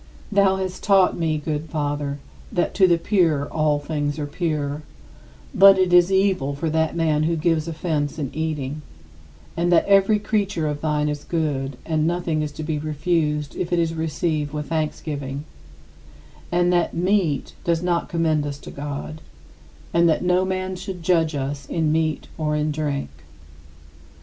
46. Thou hast taught me, good Father, that "to the pure all things are pure"; but "it is evil for that man who gives offense in eating"; and that "every creature of thine is good, and nothing is to be refused if it is received with thanksgiving"; and that "meat does not commend us to God"; and that "no man should judge us in meat or in drink."